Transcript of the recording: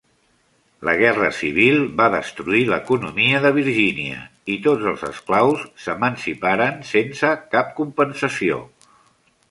La guerra civil va destruir l'economia de Virgínia i tots els esclaus s'emanciparen sense cap compensació.